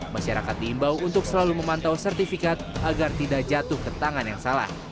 masyarakat diimbau untuk selalu memantau sertifikat agar tidak jatuh ke tangan yang salah